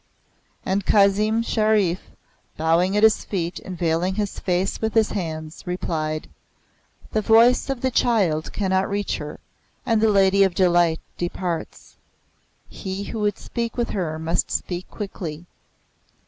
And Kazim Sharif, bowing at his feet and veiling his face with his hands, replied: "The voice of the child cannot reach her, and the Lady of Delight departs. He who would speak with her must speak quickly."